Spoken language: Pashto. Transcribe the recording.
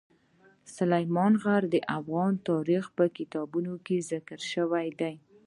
سلیمان غر د افغان تاریخ په کتابونو کې ذکر شوی دي.